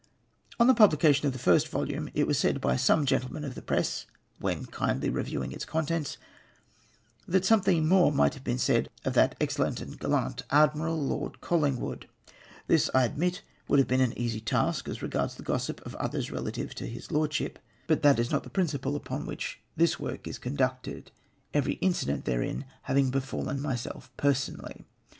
On the publication of tlie first volume, it was said by some gentlemen of the press, when Idndly reviewing its contents, tliat somethino more mio'lit have been said of that excellent and gallant admiral, Lord CoUing Avood. This, I admit, would have been an easy task as regards the gossip of others relative to his Loi'dship, but that is not the principle upon which tliis work AND MVSELP SUPERSEDED. 1G5 is conducted, every incident therein liaving befallen myself personally.